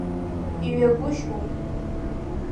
Иҩагәышьоуп.